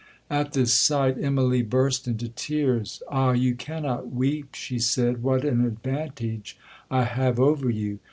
At this sight Immalee burst into tears.—'Ah! you cannot weep,' she said, 'what an advantage I have over you!